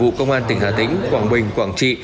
vụ công an tỉnh hà tĩnh quảng bình quảng trị